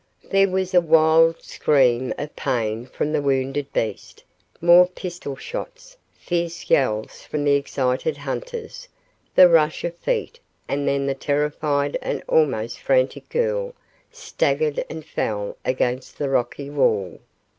There was a wild scream of pain from the wounded beast, more pistol shots, fierce yells from the excited hunters, the rush of feet and then the terrified and almost frantic girl staggered and fell against the rocky wall.